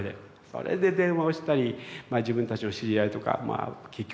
それで電話をしたり自分たちの知り合いとかまあ結局自分がプロデュース。